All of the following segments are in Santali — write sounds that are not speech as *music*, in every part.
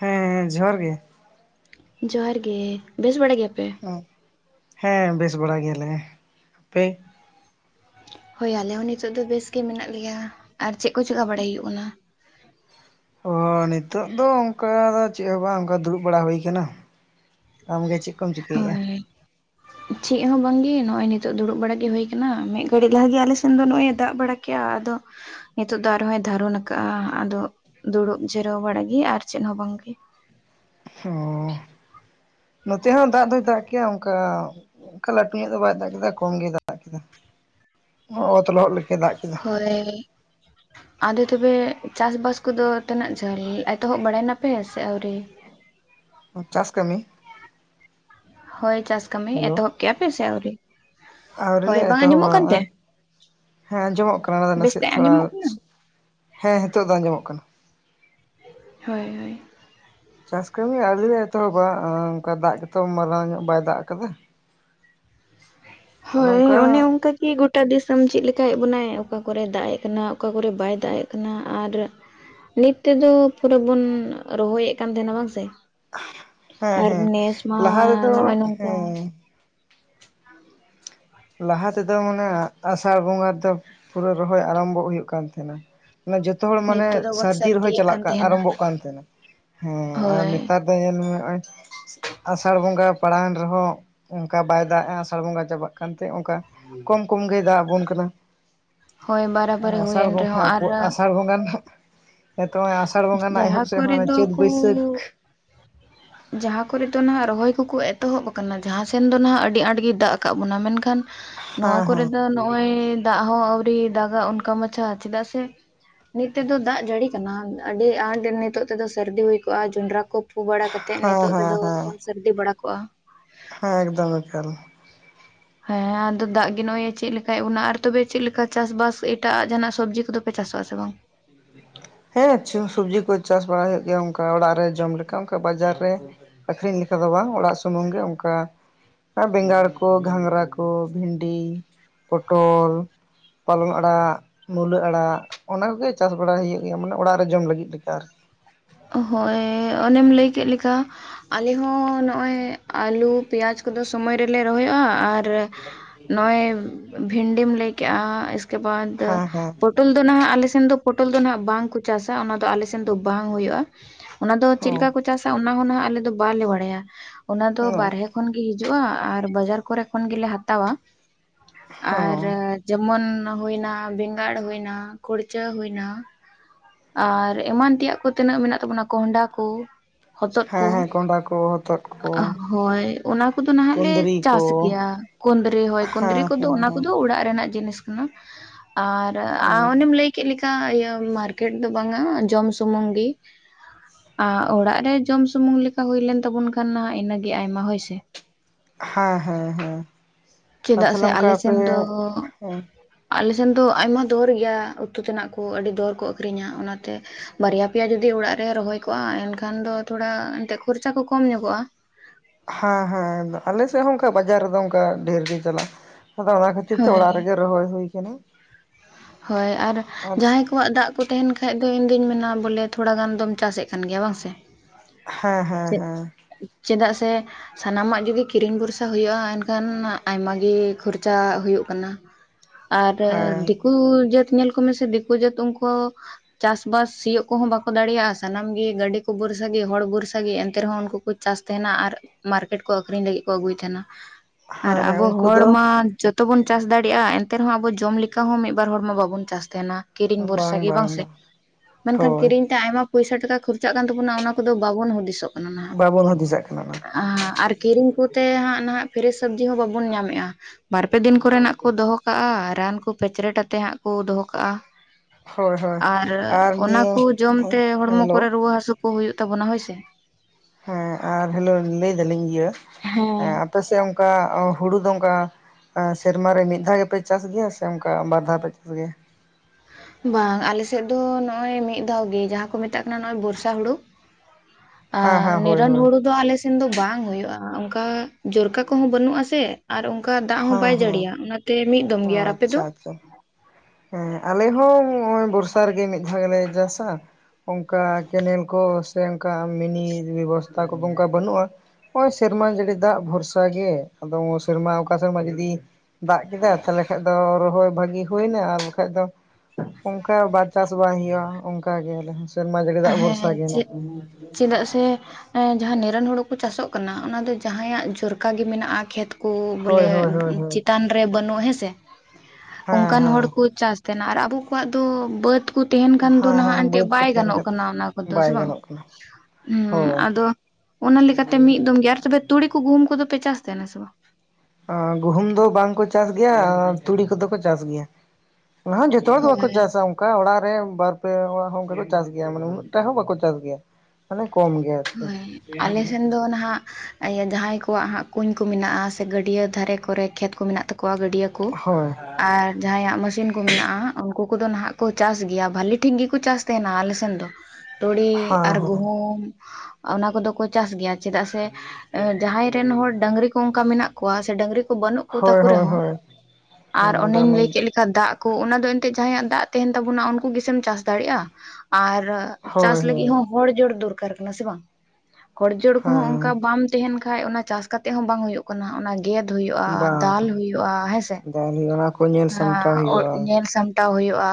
ᱦᱮᱸᱻ, ᱡᱚᱦᱟᱨ ᱜᱮ ᱾ ᱡᱚᱦᱟᱨ ᱜᱮ, ᱵᱮᱥ ᱵᱟᱲᱟ ᱜᱮᱭᱟ ᱯᱮ? ᱚᱸᱼ ᱦᱮᱸ, ᱵᱮᱥ ᱵᱟᱲᱟ ᱜᱮᱭᱟ ᱞᱮ ᱾ ᱟᱯᱮ? ᱦᱳᱭ! ᱟᱞᱮ ᱦᱚᱸ, ᱱᱤᱛᱚᱜ ᱫᱚ, ᱵᱮᱥ ᱜᱮ ᱢᱮᱱᱟᱜ ᱞᱮᱭᱟ, ᱟᱨ ᱪᱮᱫ ᱠᱚ ᱪᱮᱠᱟ ᱵᱟᱲᱟᱭ ᱦᱩᱭᱩᱜ ᱠᱟᱱᱟ? ᱚᱻ ᱱᱤᱛᱚᱜ ᱫᱚ, ᱚᱱᱠᱟ ᱫᱚ, ᱪᱮᱫ ᱦᱚᱸ ᱵᱟᱝ ᱚᱱᱠᱟ, ᱫᱩᱲᱩᱵ ᱵᱟᱲᱟ ᱦᱩᱭ ᱟᱠᱟᱱᱟ ᱾ ᱟᱢᱜᱮ, ᱪᱮᱫ ᱠᱚᱢ ᱪᱤᱠᱟᱹᱭᱮᱼᱟ? ᱦᱳᱭ ᱪᱮᱫ ᱦᱚᱸ ᱵᱟᱝ ᱜᱮ, ᱱᱚᱜᱼᱚᱭ ᱱᱤᱛᱚᱜ, ᱫᱩᱲᱩᱵ ᱵᱟᱲᱟ ᱜᱮ, ᱦᱩᱭ ᱟᱠᱟᱱᱟ, ᱢᱤᱫ ᱜᱷᱟᱹᱲᱤ ᱞᱟᱦᱟᱮ, ᱟᱞᱮ ᱥᱮᱱ ᱫᱚ, ᱫᱟᱜ ᱵᱟᱲᱟ ᱱᱚᱜᱼᱚᱭ ᱮ ᱫᱟᱜ ᱵᱟᱲᱟᱼᱼ ᱠᱮᱼᱟ, ᱟᱫᱚᱼᱼ ᱱᱤᱛᱚᱜ ᱫᱚ, ᱟᱨ ᱦᱚᱸᱭ ᱫᱷᱟᱨᱚᱱ ᱟᱠᱟᱜᱼᱟ ᱾ ᱟᱫᱚ ᱫᱩᱲᱩᱵ ᱡᱮᱨᱟᱹᱣ ᱵᱟᱲᱟᱜᱮ, ᱟᱨ ᱪᱮᱫ ᱦᱚᱸ, ᱵᱟᱝ ᱜᱮ ᱾ ᱚᱸᱻ ᱾ ᱱᱚᱛᱮ ᱦᱚᱸ, ᱫᱟᱜ ᱫᱚᱭ ᱫᱟᱜ ᱠᱮᱫᱟ, ᱚᱱᱠᱟ, ᱚᱱᱠᱟ ᱞᱟᱹᱴᱩ ᱧᱚᱜ ᱫᱚ, ᱵᱟᱭ ᱫᱟᱜ ᱠᱮᱫᱟ, ᱠᱚᱢ ᱜᱮᱭ ᱫᱟᱜ ᱠᱮᱫᱟ ᱾ ᱚᱛ ᱞᱚᱦᱚᱫ, ᱞᱮᱠᱟᱭ ᱫᱟᱜ ᱠᱮᱫᱟ ᱾ ᱚᱼ ᱨᱮ, ᱟᱫᱚ, ᱛᱚᱵᱮ ᱪᱟᱥ ᱵᱟᱥ ᱠᱚᱫᱚ, ᱛᱤᱱᱟᱹᱜ ᱡᱷᱟᱹᱞ, ᱮᱛᱚᱦᱚᱵ ᱵᱟᱲᱟ ᱮᱱᱟᱯᱮ, ᱥᱮ ᱟᱹᱣᱨᱤ ᱪᱟᱥ ᱠᱟᱹᱢᱤ? ᱦᱳᱭ ᱪᱟᱥ ᱠᱟᱹᱢᱤ ᱦᱮᱞᱳ ᱮᱛᱚᱦᱚᱵ ᱠᱮᱼᱟ ᱯᱮ ᱥᱮ ᱟᱹᱣᱨᱤ ᱟᱹᱣᱨᱤ ᱞᱮ ᱦᱳᱭ ᱵᱟᱝ ᱮᱛᱚᱦᱚᱵᱼᱟ ᱟᱸᱡᱚᱢᱚᱜ ᱱᱚᱜ ᱠᱟᱱᱛᱮ ᱚᱭ ᱦᱮᱸ ᱟᱸᱡᱚᱢᱚᱜ ᱠᱟᱱᱟ ᱵᱮᱥᱛᱮ ᱱᱟᱥᱮᱭᱟᱜ ᱛᱷᱚᱲᱟ ᱟᱸᱡᱚᱢᱚᱜ ᱠᱟᱱᱟ? ᱦᱮᱸ ᱱᱤᱛᱳᱜ ᱫᱚ ᱟᱸᱡᱚᱢᱚᱜ ᱠᱟᱱᱟ ᱦᱳᱭ ᱦᱳᱭ ᱪᱟᱥ ᱠᱟᱹᱢᱤ ᱟᱣᱨᱤ ᱞᱮ ᱮᱛᱚᱦᱚᱵᱼᱟ ᱚᱱᱠᱟ ᱫᱟᱜ ᱜᱮᱛᱚ ᱢᱟᱨᱟᱝ ᱧᱚᱜ ᱵᱟᱭ ᱫᱟᱜ ᱟᱠᱟᱫᱟ ᱟᱫᱚ ᱦᱳᱭ ᱚᱱᱮ ᱚᱱᱠᱟ ᱚᱱᱠᱟᱼᱼ ᱠᱤ ᱜᱚᱴᱟ ᱫᱤᱥᱚᱢ ᱪᱮᱫ ᱞᱮᱠᱟᱭ ᱮᱫ ᱵᱚᱱᱟᱭ ᱚᱠᱟ ᱠᱚᱨᱮ ᱫᱟᱜ ᱮᱫ ᱠᱟᱱᱟ ᱚᱠᱟ ᱠᱚᱨᱮ ᱵᱟᱭ ᱫᱟᱜ ᱮᱫ ᱠᱟᱱᱟ ᱟᱨᱼᱼ ᱱᱤᱛ ᱛᱮ ᱫᱚ ᱯᱩᱨᱟᱹ ᱵᱩᱱ ᱨᱚᱦᱚᱭᱮ ᱠᱟᱱ ᱛᱟᱦᱮᱸᱱᱟ ᱵᱟᱝᱥᱮ ᱦᱮᱸ ᱟᱨ ᱦᱮᱸ ᱱᱮᱥ ᱢᱟ ᱞᱟᱦᱟ ᱱᱚᱜᱼᱚᱭ ᱨᱮᱫᱚ ᱱᱚᱝᱠᱟᱼᱼ ᱦᱮᱸ ᱞᱟᱦᱟ ᱛᱮᱫᱚ ᱢᱟᱱᱮ ᱟᱥᱟᱲ ᱵᱚᱸᱜᱟ ᱫᱚᱼᱼ ᱯᱩᱨᱟᱹ ᱨᱚᱦᱚᱭ ᱟᱨᱟᱢ ᱵᱷᱚᱜ ᱦᱩᱭᱩᱜ ᱠᱟᱱ ᱛᱟᱦᱮᱸᱱᱟ *unintelligible* ᱡᱚᱛᱚ ᱡᱚᱛᱚ ᱦᱚᱲ ᱱᱤᱛ ᱢᱟᱱᱮ ᱛᱮᱫᱚ ᱵᱚᱱ ᱥᱟᱹᱨᱫᱤ ᱨᱚᱦᱚᱭ ᱥᱟᱹᱨᱫᱤᱭᱮᱫ ᱪᱟᱞᱟᱜ ᱠᱟᱱ ᱛᱟᱦᱮᱱᱟ ᱟᱨᱟᱢᱵᱷᱚᱜ ᱠᱟᱱ ᱛᱟᱦᱮᱸᱱᱟ ᱦᱮᱸ ᱟᱨ ᱦᱳᱭ ᱱᱮᱛᱟᱨᱼᱼ *unintelligible* ᱟᱥᱟᱲ ᱵᱚᱸᱜᱟ ᱯᱟᱲᱟᱣ ᱮᱱ ᱨᱮᱦᱚᱸ ᱚᱱᱠᱟ ᱵᱟᱭ ᱫᱟᱜ ᱮᱼᱟ ᱟᱥᱟᱲ ᱵᱚᱸᱜᱟ ᱪᱟᱵᱟᱜ ᱠᱟᱱᱛᱮ ᱚᱱᱠᱟ ᱠᱚᱢ ᱠᱚᱢ ᱜᱮᱭ ᱫᱟᱜ ᱟᱵᱚᱱ ᱠᱟᱱᱟ ᱦᱳᱭ ᱵᱟᱨᱟᱵᱟᱨᱤ ᱟᱥᱟᱲ ᱦᱩᱭᱮᱱ ᱨᱮᱦᱚᱸ ᱵᱚᱸᱜᱟ ᱟᱨ ᱟᱥᱟᱲ ᱵᱚᱸᱜᱟ ᱨᱮᱱᱟᱜ *unintelligible* ᱟᱥᱟᱲ ᱵᱚᱸᱜᱟ ᱨᱮᱱᱟᱜ ᱮᱦᱚᱵ ᱡᱟᱦᱟᱸ ᱥᱮᱫ ᱠᱚᱨᱮ ᱦᱚᱸ ᱪᱟᱹᱛ ᱫᱚᱠᱚ ᱵᱟᱹᱭᱥᱟᱹᱠᱷᱼᱼ ᱡᱟᱦᱟᱸ ᱠᱚᱨᱮ ᱫᱚ ᱱᱟᱜ ᱨᱚᱦᱚᱭ ᱠᱚᱠᱚ ᱮᱛᱚᱦᱚᱵ ᱠᱟᱱᱟ ᱡᱟᱦᱟᱸ ᱥᱮᱱ ᱫᱚ ᱱᱟᱜ ᱟᱹᱰᱤ ᱟᱸᱴ ᱜᱮ ᱫᱟᱜ ᱠᱟᱜ ᱵᱚᱱᱟ ᱢᱮᱱ ᱠᱷᱟᱱᱼᱼ ᱱᱚᱣᱟ ᱦᱮᱸ ᱠᱚᱨᱮ ᱦᱮᱸ ᱫᱚ ᱱᱚᱜᱼᱚᱭᱼᱼ ᱫᱟᱜ ᱦᱚᱸ ᱟᱣᱨᱤ ᱫᱟᱜᱟᱜ ᱚᱱᱠᱟ ᱢᱟᱪᱷᱟ ᱪᱮᱫᱟᱜ ᱥᱮ ᱱᱤᱛᱮᱫᱚ ᱫᱟᱜ ᱡᱟᱹᱲᱤ ᱠᱟᱱᱟᱼᱼ ᱟᱹᱰᱤ ᱟᱸᱴ ᱱᱤᱛᱚᱜ ᱛᱮᱫᱚ ᱥᱟᱹᱨᱫᱤ ᱦᱩᱭ ᱠᱚᱜᱼᱟ ᱡᱚᱸᱰᱨᱟ ᱠᱚ ᱯᱷᱩ ᱵᱟᱲᱟ ᱠᱟᱛᱮᱫ ᱦᱮᱸ ᱱᱤᱛᱚᱜ ᱨᱮᱫᱚ ᱵᱚᱱᱼᱼ ᱥᱟᱹᱨᱫᱤ ᱵᱟᱲᱟ ᱠᱚᱜᱼᱟ ᱦᱚᱸ ᱮᱠᱫᱚᱢ ᱮᱠᱟᱞ ᱦᱮᱸ ᱟᱫᱚ ᱫᱟᱜ ᱜᱮ ᱱᱚᱜᱟᱭ ᱪᱮᱫ ᱞᱮᱠᱟᱭ ᱵᱚᱱᱟ ᱟᱨ ᱛᱚᱵᱮ ᱪᱮᱫ ᱞᱮᱠᱟ ᱪᱟᱥ ᱵᱟᱥ ᱮᱴᱟᱜ ᱡᱟᱦᱟᱱᱟᱜ ᱥᱚᱵᱽᱡᱤ ᱠᱚᱫᱚ ᱯᱮ ᱪᱟᱥᱚᱜ ᱟᱥᱮ ᱵᱟᱝ ᱦᱮᱸ *unintelligible* ᱥᱚᱵᱡᱤ ᱠᱚ ᱪᱟᱥ ᱵᱟᱲᱟ ᱦᱩᱭᱩᱜ ᱜᱮᱭᱟ ᱚᱱᱠᱟ ᱚᱲᱟᱜ ᱨᱮ ᱡᱚᱢ ᱞᱮᱠᱟ ᱚᱱᱠᱟ ᱵᱟᱡᱟᱨ ᱨᱮᱼᱼ ᱟᱠᱷᱨᱤᱧ ᱞᱮᱠᱟ ᱫᱚ ᱵᱟᱝ ᱚᱲᱟᱜ ᱥᱩᱢᱩᱝ ᱜᱮ ᱚᱱᱠᱟᱼᱼ ᱟᱨ ᱵᱮᱸᱜᱟᱲ ᱠᱚ ᱜᱷᱟᱸᱝᱽᱨᱟ ᱠᱚ ᱵᱷᱤᱱᱰᱤ ᱯᱚᱴᱚᱞᱼᱼ ᱯᱟᱞᱚᱱ ᱟᱲᱟᱜ ᱢᱩᱞᱟᱹ ᱟᱲᱟᱜ ᱚᱱᱟ ᱠᱚ ᱜᱮᱼᱼ ᱪᱟᱥ ᱵᱟᱲᱟ ᱦᱩᱭᱩᱜ ᱜᱮᱭᱟ ᱢᱟᱱᱮ ᱚᱲᱟᱜ ᱨᱮ ᱡᱚᱢ ᱞᱟᱹᱜᱤᱫ ᱞᱮᱠᱟ ᱟᱨᱠᱤᱼᱼ ᱦᱳᱭ ᱚᱱᱮᱢ ᱞᱟᱹᱭ ᱠᱮᱜ ᱞᱮᱠᱟ ᱟᱞᱮ ᱦᱚᱸ ᱱᱚᱜᱼᱚᱭ ᱟᱹᱞᱩ ᱯᱮᱸᱭᱟᱡᱽ ᱠᱚᱫᱚ ᱥᱚᱢᱚᱭ ᱨᱮᱞᱮ ᱨᱚᱦᱚᱭᱚᱜᱼᱟ ᱟᱨᱼᱼ *unintelligible* ᱱᱚᱜᱚᱭ ᱵᱷᱤᱱᱰᱤᱢ ᱞᱟᱹᱭ ᱠᱮᱜᱼᱟ ᱤᱥᱠᱮ ᱵᱟᱫ ᱦᱮᱸ ᱦᱮᱸ *unintelligible* ᱩᱱ ᱫᱚ ᱱᱟᱜ ᱟᱞᱮ ᱥᱮᱱ ᱫᱚ ᱯᱚᱴᱚᱞ ᱫᱚ ᱱᱟᱜ ᱵᱟᱝ ᱠᱚ ᱪᱟᱥᱟᱼᱟ ᱚᱱᱟ ᱫᱚ ᱟᱞᱮᱥᱮᱱ ᱫᱚ ᱵᱟᱝ ᱦᱩᱭᱩᱜᱼᱟ ᱚᱱᱟ ᱫᱚ ᱪᱮᱫ ᱚ ᱞᱮᱠᱟ ᱠᱚ ᱪᱟᱥᱟ ᱚᱱᱟ ᱦᱚᱸ ᱱᱟᱜ ᱟᱞᱮ ᱫᱚ ᱵᱟᱞᱮ ᱵᱟᱲᱟᱭᱟ ᱚᱱᱟ ᱫᱚ ᱦᱚᱸ ᱵᱟᱨᱦᱮ ᱠᱷᱚᱱ ᱜᱮ ᱦᱤᱡᱩᱜᱼᱟ ᱟᱨ ᱵᱟᱡᱟᱨ ᱠᱚᱨᱮ ᱠᱷᱚᱱ ᱜᱮᱞᱮ ᱦᱟᱛᱟᱣᱟ ᱟᱨᱼᱼ ᱦᱚᱸ ᱡᱮᱢᱚᱱ ᱦᱩᱭᱱᱟ ᱵᱮᱸᱜᱟᱲ ᱦᱩᱭᱱᱟ ᱠᱩᱲᱪᱟᱹ ᱦᱩᱭᱱᱟ ᱟᱨ ᱮᱢᱟᱱ ᱛᱮᱭᱟᱜ ᱠᱚ ᱛᱤᱱᱟᱹᱜ ᱢᱮᱱᱟᱜ ᱛᱟᱵᱚᱱᱟ ᱠᱚᱦᱚᱰᱟ ᱠᱚᱼᱼ ᱦᱚᱛᱚᱫ ᱦᱮᱸ ᱠᱩ ᱦᱮᱸ ᱠᱚᱸᱰᱷᱟ ᱠᱚ ᱦᱚᱛᱚᱫ ᱠᱚ ᱦᱳᱭ ᱚᱱᱟ ᱠᱚᱫᱚ ᱱᱟᱜ ᱞᱮ ᱠᱩᱸᱫᱽᱨᱤ ᱠᱚ ᱪᱟᱥ ᱜᱮᱭᱟ ᱠᱩᱫᱽᱨᱤ ᱦᱳᱭ ᱠᱩᱸᱫᱽᱨᱤ ᱦᱮᱸ ᱠᱚᱫᱚ ᱦᱮᱸ ᱚᱱᱟ ᱦᱮᱸ ᱠᱚᱫᱚ ᱚᱲᱟᱜ ᱨᱮᱱᱟᱜ ᱡᱤᱱᱤᱥ ᱠᱟᱱᱟ ᱟᱨ ᱦᱮᱸ ᱚᱱᱮᱢ ᱞᱟᱹᱭ ᱠᱮᱫ *unintelligible* ᱞᱮᱠᱟ ᱤᱭᱟᱹ ᱢᱟᱨᱠᱮᱴ ᱫᱚ ᱵᱟᱝ ᱟ ᱡᱚᱢ ᱥᱩᱢᱩᱝ ᱜᱮᱼᱼ ᱚᱲᱟᱜ ᱨᱮ ᱡᱚᱢ ᱥᱩᱢᱩᱝ ᱞᱮᱠᱟ ᱦᱩᱭ ᱞᱮᱱ ᱛᱟᱵᱚᱱ ᱠᱷᱟᱱ ᱤᱱᱟᱹ ᱜᱮ ᱟᱭᱢᱟ ᱦᱳᱭ ᱥᱮᱼᱼ ᱦᱮᱸ ᱦᱮᱸ ᱦᱮᱸ ᱟᱨ ᱪᱮᱫᱟᱜ ᱥᱮ ᱛᱟᱦᱞᱮ ᱚᱱᱠᱟ ᱟᱞᱮ ᱟᱯᱮ ᱥᱮᱱ ᱫᱚᱼᱼ ᱦᱮᱸ ᱟᱞᱮ ᱥᱮᱱ ᱫᱚ ᱟᱭᱢᱟ ᱫᱚᱨ ᱜᱮᱭᱟ ᱩᱛᱩ ᱛᱮᱱᱟᱜ ᱠᱚ ᱟᱹᱰᱤ ᱫᱚᱨ ᱠᱚ ᱟᱹᱠᱷᱨᱤᱧᱟ ᱚᱱᱟ ᱛᱮᱼᱼ ᱵᱟᱨᱭᱟ ᱯᱮᱭᱟ ᱡᱩᱫᱤ ᱚᱲᱟᱜ ᱨᱮ ᱨᱚᱦᱚᱭ ᱠᱚᱜᱼᱟ ᱮᱱᱠᱷᱟᱱ ᱫᱚ ᱛᱷᱚᱲᱟ ᱮᱱᱛᱮᱜ ᱠᱷᱚᱨᱪᱟ ᱠᱚ ᱠᱚᱢ ᱧᱚᱜᱚᱜᱼᱟ ᱦᱮᱸ ᱦᱮᱸ ᱾ ᱟᱫᱚ ᱟᱞᱮ ᱥᱮᱫ ᱦᱚᱸ ᱚᱱᱠᱟ ᱵᱟᱡᱟᱨ ᱨᱮᱫᱚ ᱚᱱᱠᱟ ᱰᱷᱮᱨ ᱜᱮ ᱪᱟᱞᱟᱜᱼᱟ᱾ ᱟᱫᱚ ᱚᱱᱟ ᱠᱷᱟᱹᱛᱤᱨ ᱦᱳᱭ ᱚᱲᱟᱜ ᱨᱮᱜᱮ ᱨᱚᱦᱚᱭ ᱦᱩᱭ ᱠᱟᱱᱟ ᱾ ᱦᱳᱭ ᱟᱨ ᱡᱟᱦᱟᱸᱭ ᱠᱚ ᱟᱠᱚᱣᱟᱜ ᱫᱟᱜ ᱠᱚ ᱛᱟᱦᱮᱱ ᱠᱷᱟᱡ ᱫᱚ ᱤᱧ ᱫᱩᱧ ᱢᱮᱱᱟ ᱵᱚᱞᱮ ᱛᱷᱚᱲᱟ ᱜᱟᱱ ᱫᱚᱢ ᱪᱟᱥᱮᱫ ᱠᱟᱱ ᱜᱮᱭᱟ ᱵᱟᱝ ᱥᱮ ᱾ ᱦᱮᱸ ᱦᱮᱸ ᱦᱮᱸ ᱾ ᱪᱮᱫᱟᱜ ᱥᱮ ᱥᱟᱱᱟᱢᱟᱜ ᱡᱩᱫᱤ ᱠᱤᱨᱤᱧ ᱵᱷᱚᱨᱥᱟ ᱦᱩᱭᱩᱜᱼᱟ, ᱮᱱᱠᱷᱟᱱ ᱟᱭᱢᱟᱜ ᱜᱮ ᱠᱷᱚᱨᱪᱟ ᱦᱩᱭᱩᱜ ᱠᱟᱱᱟ᱾ ᱟᱨ ᱦᱮᱸ ᱫᱤᱠᱩ ᱡᱟᱹᱛ ᱧᱮᱞ ᱠᱚᱢᱥᱮ ᱫᱤᱠᱩ ᱡᱟᱹᱛ ᱩᱱᱠᱩ ᱪᱟᱥ ᱵᱟᱥ ᱥᱤᱭᱳᱜ ᱠᱚᱦᱚᱸ ᱵᱟᱠᱚ ᱫᱟᱲᱮᱭᱟᱜᱼᱟ᱾ ᱥᱟᱱᱟᱢ ᱜᱮ ᱜᱟᱹᱰᱤ ᱠᱚ ᱵᱷᱚᱨᱥᱟᱹᱜᱤ ᱦᱚᱲ ᱵᱷᱚᱨᱥᱟᱹᱜᱤ ᱮᱱᱛᱮ ᱨᱮᱦᱚᱸ ᱩᱱᱠᱩ ᱠᱚ ᱪᱟᱥ ᱛᱟᱦᱮᱱᱟ ᱟᱨ ᱢᱟᱨᱠᱮᱴ ᱠᱚ ᱟᱹᱠᱷᱨᱤᱧ ᱞᱟᱹᱜᱤᱫ ᱠᱚ ᱟᱹᱜᱩᱭ ᱛᱟᱦᱮᱱᱟ ᱟᱨ ᱦᱮᱸ ᱦᱮᱸ ᱟᱵᱚ ᱩᱱᱠᱩ ᱦᱚᱲ ᱫᱚ ᱢᱟ ᱡᱚ ᱛᱚ ᱵᱚᱱ ᱪᱟᱥ ᱫᱟᱲᱮᱭᱟᱜᱼᱟ᱾ ᱮᱱᱛᱮ ᱨᱮᱦᱚᱸ ᱟᱵᱚ ᱡᱚᱢ ᱞᱮᱠᱟ ᱦᱚᱸ ᱢᱤᱫ ᱵᱟᱨ ᱦᱚᱲᱢᱟ ᱵᱟᱵᱚᱱ ᱪᱟᱥ ᱛᱟᱦᱮᱱᱟ ᱾ ᱠᱤᱨᱤᱧ ᱵᱷᱚᱨᱥᱟ ᱜᱮ ᱵᱟᱝ ᱥᱮ ᱾ᱢᱮᱱᱠᱷᱟᱱ ᱦᱳᱭ ᱠᱤᱨᱤᱧ ᱛᱮ ᱟᱭᱢᱟ ᱯᱚᱭᱥᱟ ᱴᱟᱠᱟ ᱠᱷᱚᱨᱪᱟᱜ ᱠᱟᱱ ᱛᱟᱵᱚᱱᱟ᱾ ᱚᱱᱟ ᱠᱚᱫᱚ ᱵᱟᱵᱚᱱ ᱦᱩᱫᱤᱥᱚᱜ ᱠᱟᱱᱟ ᱾ ᱵᱟᱵᱚᱱ ᱦᱩᱫᱤᱥᱟᱜ ᱠᱟᱱᱟ ᱚᱱᱟ ᱾ ᱟᱨ ᱠᱤᱨᱤᱧ ᱠᱚᱛᱮ ᱦᱟᱸᱜ ᱱᱟᱦᱟᱜ ᱯᱷᱮᱨᱮᱥ ᱥᱚᱵᱽᱡᱤ ᱦᱚᱸ ᱵᱟᱵᱚᱱ ᱧᱟᱢ ᱮᱜᱼᱟ ᱾ ᱵᱟᱨᱯᱮ ᱫᱤᱱ ᱠᱚᱨᱮᱱᱟᱜ ᱠᱚ ᱫᱚᱦᱚ ᱠᱟᱜᱼᱟ, ᱨᱟᱱ ᱠᱚ ᱯᱷᱮᱪᱨᱮᱴ ᱟᱛᱮᱫ ᱦᱟᱸᱜ ᱠᱚ ᱫᱚᱦᱚ ᱠᱟᱜᱼᱟ᱾ ᱦᱳᱭ ᱦᱳᱭ ᱟᱨ ᱚᱱᱟ ᱱᱤᱭᱟᱹ ᱠᱚ ᱡᱚᱢᱛᱮ ᱦᱚᱲᱢᱚ ᱦᱮᱞᱳ ᱠᱚᱨᱮ ᱨᱩᱣᱟᱹ ᱦᱟᱹᱥᱩ ᱠᱚ ᱦᱩᱭᱩᱜ ᱛᱟᱵᱚᱱᱟ ᱦᱳᱭ ᱥᱮ ᱾ ᱦᱮᱸ ᱟᱨ ᱦᱮᱞᱳ ᱞᱟᱹᱭ ᱫᱟᱞᱤᱧ ᱤᱭᱟᱹ ᱦᱮᱸ ᱟᱯᱮ ᱥᱮᱫ ᱚᱱᱠᱟ ᱦᱩᱲᱩ ᱫᱚ ᱚᱱᱠᱟ ᱥᱮᱨᱢᱟ ᱨᱮ ᱢᱤᱫ ᱫᱷᱟᱣ ᱜᱮᱯᱮ ᱪᱟᱥ ᱜᱮᱭᱟ ᱥᱮ ᱚᱱᱠᱟ ᱵᱟᱨ ᱫᱷᱟᱣ ᱯᱮ ᱪᱟᱥ ᱜᱮᱭᱟ? ᱵᱟᱝ ᱟᱞᱮᱥᱮᱫ ᱫᱚ ᱱᱚᱜ ᱚᱭ ᱢᱤᱫ ᱫᱷᱟᱣ ᱜᱮ᱾ ᱡᱟᱦᱟᱸ ᱠᱚ ᱢᱮᱛᱟᱜ ᱠᱟᱱᱟ ᱱᱚᱜᱚᱭ ᱵᱚᱨᱥᱟ ᱦᱩᱲᱩ ᱾ ᱦᱮᱸ ᱟᱨ ᱦᱮᱸ ᱦᱳᱭ ᱱᱤᱨᱚᱱ ᱦᱳᱭ ᱦᱳᱲᱩ ᱫᱚ ᱟᱞᱮ ᱥᱮᱱ ᱫᱚ ᱵᱟᱝ ᱦᱩᱭᱩᱜᱼᱟ᱾ ᱚᱱᱠᱟ ᱡᱚᱨᱠᱟ ᱠᱚᱦᱚᱸ ᱵᱟᱹᱱᱩᱜᱼᱟ ᱥᱮ ᱾ ᱟᱨ ᱚᱱᱠᱟ ᱫᱟᱜ ᱦᱚᱸ ᱦᱮᱸ ᱵᱟᱭ ᱦᱮᱸ ᱡᱟᱹᱲᱤᱭᱟ ᱾ᱚᱱᱟᱛᱮ ᱢᱤᱫ ᱫᱚᱢ ᱚ ᱜᱮ ᱾ ᱟᱨ ᱟᱯᱮ ᱫᱚ? ᱟᱪᱪᱷᱟ ᱟᱪᱪᱷᱟ ᱦᱮᱸ ᱟᱞᱮ ᱦᱚᱸ ᱱᱚᱜᱼᱚᱭ ᱵᱚᱨᱥᱟ ᱨᱮᱜᱮ ᱢᱤᱫ ᱫᱷᱟᱣ ᱜᱮᱞᱮ ᱪᱟᱥᱟ ᱾ ᱚᱱᱠᱟ ᱠᱮᱱᱮᱞ ᱠᱚ ᱥᱮ ᱚᱱᱠᱟ ᱢᱤᱱᱤ ᱵᱮᱵᱚᱥᱛᱟ ᱠᱚᱫᱚ ᱚᱱᱠᱟ ᱵᱟᱹᱱᱩᱜᱼᱟ᱾ ᱱᱚᱜᱼᱚᱭ ᱥᱮᱨᱢᱟ ᱡᱟᱹᱲᱤ ᱫᱟᱜ ᱵᱷᱚᱨᱥᱟ ᱜᱮ᱾ ᱟᱫᱚ ᱥᱮᱨᱢᱟ ᱚᱠᱟ ᱥᱮᱨᱢᱟ ᱡᱩᱫᱤ ᱫᱟᱜ ᱠᱮᱫᱟ ᱛᱟᱦᱚᱞᱮ ᱠᱷᱟᱱ ᱫᱚ ᱨᱚᱦᱚᱭ ᱵᱷᱟᱜᱤ ᱦᱩᱭᱱᱟ ᱟᱨ ᱵᱟᱠᱷᱟᱡ ᱫᱚ ᱚᱱᱠᱟ ᱵᱟ ᱪᱟᱥ ᱵᱟᱭ ᱦᱩᱭᱩᱜᱼᱟ᱾ ᱚᱱᱠᱟ ᱜᱮ ᱟᱞᱮ ᱦᱚᱸ ᱾ ᱥᱮᱨᱢᱟ ᱡᱟᱹᱲᱤ ᱫᱟᱜ ᱵᱷᱚᱨᱥᱟ ᱦᱮᱸ ᱜᱮ ᱦᱮᱱᱟᱜ ᱪᱮᱫ *inaudible* ᱪᱮᱫᱟᱜ ᱥᱮ ᱼᱼ ᱡᱟᱦᱟᱸ ᱱᱤᱨᱚᱱ ᱦᱳᱲᱩ ᱠᱚ ᱪᱟᱥᱚᱜ ᱠᱟᱱᱟ᱾ ᱚᱱᱟ ᱫᱚ ᱡᱟᱦᱟᱸᱭᱟᱜ ᱡᱚᱨᱠᱟ ᱜᱮ ᱢᱮᱱᱟᱜᱼᱟ ᱠᱷᱮᱛ ᱠᱚ ᱦᱳᱭ ᱵᱚᱞᱮ ᱦᱳᱭ ᱦᱳᱭ ᱦᱳᱭ ᱪᱮᱛᱟᱱ ᱨᱮ ᱵᱟᱹᱱᱩᱜᱼᱟ ᱦᱮᱸ ᱥᱮ ᱾ ᱦᱮᱸ ᱚᱱᱠᱟᱱ ᱦᱮᱸ ᱦᱚᱲ ᱠᱚ ᱪᱟᱥ ᱛᱟᱦᱮᱱᱟ ᱟᱨ ᱟᱵᱚ ᱠᱚᱣᱟᱜ ᱫᱚ ᱵᱟᱹᱫ ᱠᱚ ᱛᱟᱦᱮᱱ ᱠᱷᱟᱱ ᱫᱚ ᱦᱮᱸ ᱱᱟᱦᱟᱜ ᱦᱮᱸ ᱮᱱᱛᱮ ᱵᱟᱹᱫᱽ ᱠᱚ ᱵᱟᱭ ᱛᱟᱦᱮᱱ ᱜᱟᱱᱚᱜ ᱠᱷᱟᱡ ᱠᱟᱱᱟ ᱚᱱᱟ ᱠᱚᱫᱚ ᱵᱟᱭ ᱥᱮ ᱵᱟᱝ ᱜᱟᱱᱚᱜ ᱠᱟᱱᱟ ᱦᱳᱭ ᱾ ᱟᱫᱚ ᱚᱱᱟ ᱞᱮᱠᱟᱛᱮ ᱢᱤᱫ ᱫᱚᱢ ᱜᱮ ᱟᱨ ᱛᱚᱵᱮ ᱛᱩᱲᱤ ᱠᱚ ᱜᱩᱢᱫᱚ ᱯᱮ ᱪᱟᱥ ᱛᱟᱦᱮᱱᱟ ᱥᱮ ᱵᱟᱝ? ᱜᱩᱦᱩᱢ ᱫᱚ ᱵᱟᱝ ᱠᱚ ᱪᱟᱥ ᱜᱮᱭᱟ ᱛᱩᱲᱤ ᱠᱚᱫᱚ ᱠᱚ ᱪᱟᱥ ᱜᱮᱭᱟ ᱾ ᱚᱱᱟ ᱦᱚ ᱡᱚᱛᱚ ᱦᱚᱲ ᱫᱚ ᱵᱟᱠᱚ ᱦᱳᱭ ᱪᱟᱥᱼᱟ, ᱚ ᱠᱟ ᱚᱲᱟᱜ ᱨᱮ ᱾ ᱵᱟᱨ ᱯᱮ ᱚᱲᱟᱜ ᱦᱚᱸ ᱚᱱᱠᱟ ᱠᱚ ᱪᱟᱥ ᱜᱮᱭᱟ, ᱢᱟᱱᱮ ᱩᱱᱟᱹᱜ ᱴᱟᱜ ᱦᱚᱸ ᱵᱟᱠᱚ ᱪᱟᱥ ᱜᱮᱭᱟ, ᱢᱟᱱᱮ ᱠᱚᱢ ᱜᱮᱭᱟ ᱾ ᱦᱳᱭ ᱟᱞᱮ ᱥᱮᱱ ᱫᱚ ᱱᱟᱦᱟᱜ ᱤᱭᱟᱹ ᱡᱟᱦᱟᱸᱭ ᱠᱚᱣᱟᱜ ᱦᱟᱸᱜ ᱠᱩᱧ ᱠᱚ ᱢᱮᱱᱟᱜᱼᱟ ᱥᱮ ᱜᱟᱹᱰᱭᱟᱹ ᱫᱷᱟᱨᱮ ᱠᱚᱨᱮ ᱠᱷᱮᱛ ᱠᱚ ᱢᱮᱱᱟᱜ ᱛᱟᱠᱚᱣᱟ, ᱜᱟᱹᱰᱭᱟᱹ ᱠᱩ ᱦᱳᱭ ᱟᱨ ᱡᱟᱦᱟᱸᱭᱟᱜ ᱢᱟᱥᱤᱱ ᱠᱚ ᱢᱮᱱᱟᱜᱼᱟ, ᱩᱱᱠᱩ ᱠᱚᱫᱚ ᱱᱟᱦᱟᱜ ᱠᱚ ᱪᱟᱥ ᱜᱮᱭᱟ ᱵᱷᱟᱞᱤ ᱴᱷᱤᱠ ᱜᱮᱠᱚ ᱪᱟᱥ ᱛᱟᱦᱮᱱᱟ, ᱟᱞᱮ ᱥᱮᱱ ᱫᱚ ᱾ ᱛᱩᱲᱤ ᱟᱨ ᱦᱮᱸ ᱦᱮᱸ ᱜᱩᱦᱩᱢ ᱚᱱᱟ ᱠᱚᱫᱚ ᱠᱚ ᱪᱟᱥ ᱜᱮᱭᱟ ᱾ ᱪᱮᱫᱟᱜ ᱥᱮ ᱡᱟᱦᱟᱸᱭ ᱨᱮᱱ ᱦᱚᱲ ᱰᱟᱝᱨᱤ ᱠᱚ ᱚᱱᱠᱟ ᱢᱮᱱᱟᱜ ᱠᱚᱣᱟ, ᱥᱮ ᱰᱟᱝᱨᱤ ᱵᱟᱹᱱᱩᱜ ᱦᱳᱭ ᱠᱚᱛᱟᱠᱚ ᱦᱳᱭ ᱨᱮᱦᱚᱸ ᱦᱳᱭ ᱟᱨ ᱚᱱᱮᱧ ᱟᱫᱚ ᱞᱟᱹᱭ ᱠᱮᱫ ᱞᱮ ᱫᱟᱜ ᱠᱚ ᱚᱱᱟ ᱫᱚ ᱮᱱᱛᱮ ᱡᱟᱦᱟᱸᱭᱟᱜ ᱫᱟᱜ ᱛᱟᱦᱮᱱ ᱛᱟᱵᱚᱱᱟ ᱩᱱᱠᱩ ᱜᱮᱥᱮᱢ ᱪᱟᱥ ᱫᱟᱲᱮᱭᱟᱜᱼᱟ ᱟᱨ, ᱪᱟᱥ ᱦᱳᱭ ᱞᱟᱹᱜᱤᱫ ᱦᱳᱭ ᱦᱚᱸ ᱦᱚᱲ ᱡᱳᱲ ᱫᱚᱨᱠᱟᱨ ᱠᱟᱱᱟ ᱥᱮ ᱵᱟᱝ? ᱦᱚᱲ ᱡᱳᱚᱲ ᱠᱚᱦᱚᱸ ᱚᱱᱠᱟ ᱦᱮᱸ ᱵᱟᱢ ᱛᱟᱦᱮᱱ ᱠᱷᱟᱡ ᱚᱱᱟ ᱪᱟᱥ ᱠᱟᱛᱮ ᱦᱚᱸ ᱵᱟᱝ ᱦᱩᱭᱩᱜ ᱠᱟᱱᱟ ᱾ᱚᱱᱟ ᱜᱮᱫ ᱦᱩᱭᱩᱜᱼᱟ ᱵᱟᱝ ᱫᱟᱞ ᱦᱩᱭᱩᱜᱼᱟ ᱦᱮᱸᱥᱮ ᱡᱟᱭᱦᱳᱠ ᱚᱱᱟ ᱠᱚ ᱧᱮᱞ ᱥᱟᱢᱴᱟᱣ ᱦᱩᱭᱩᱜᱼᱟ ᱾ ᱧᱮᱞ ᱥᱟᱢ ᱴᱟᱣ ᱦᱩᱭᱩᱜᱼᱟ